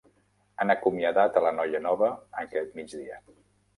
Han acomiadat a la noia nova aquest migdia.